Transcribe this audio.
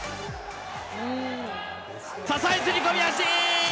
支え釣り込み足。